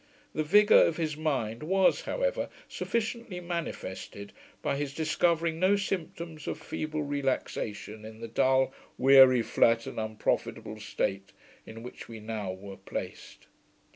The vigour of his mind was, however, sufficiently manifested, by his discovering no symptoms of feeble relaxation in the dull, 'weary, flat and unprofitable' state in which we now were placed.